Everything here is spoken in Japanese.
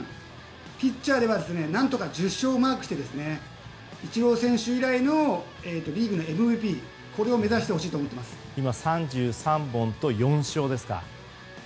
ピッチャーでは何とか１０勝をマークしてイチロー選手以来のリーグのＭＶＰを今、３３本と４勝ですか。